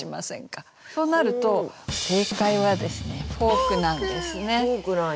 となると正解はですね「フォーク」なんですね。